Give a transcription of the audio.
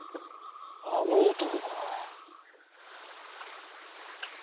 あの男か。